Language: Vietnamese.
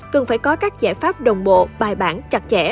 cần phải có các giải pháp đồng bộ bài bản chặt chẽ